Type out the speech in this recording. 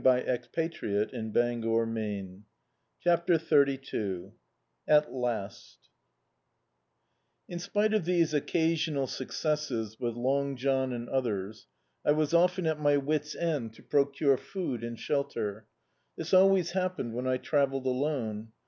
t3»6] DictzedbvGoOJ^IC CHAPTER XXXn IN spite of these oa:asional successes with Long John and others, I was often at my wits' ends to procure food and shelter. This always hap pened when I travelled alone.